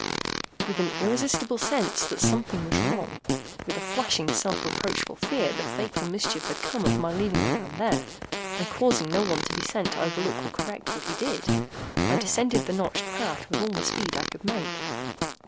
With an irresistible sense that something was wrong,—with a flashing self reproachful fear that fatal mischief had come of my leaving the man there, and causing no one to be sent to overlook or correct what he did,—I descended the notched path with all the speed I could make.